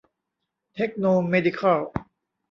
เทคโนเมดิคัล